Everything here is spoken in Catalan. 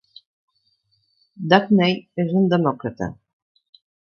Ducheny és un demòcrata.